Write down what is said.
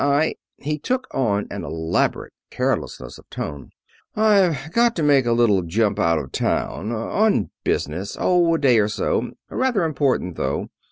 I" he took on an elaborate carelessness of tone "I've got to take a little jump out of town. On business. Oh, a day or so. Rather important though.